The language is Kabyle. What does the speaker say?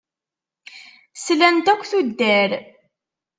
Slant akk tuddar.